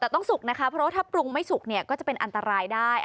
แต่ต้องสุกนะคะเพราะว่าถ้าปรุงไม่สุกเนี่ยก็จะเป็นอันตรายได้